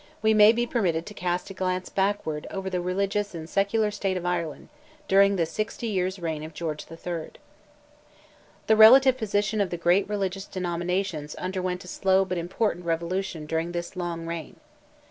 we may be permitted to cast a glance backward over the religious and secular state of Ireland, during the sixty years' reign of George III. The relative position of the great religious denominations underwent a slow but important revolution during this long reign.